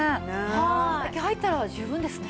これだけ入ったら十分ですね。